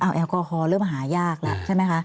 แอลกอฮอลเริ่มหายากแล้วใช่ไหมคะ